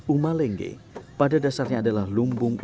uma lenge pada dasarnya adalah lumbung rumah